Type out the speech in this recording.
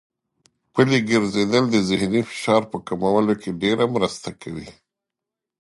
پلي ګرځېدل د ذهني فشار په کمولو کې ډېره مرسته کوي.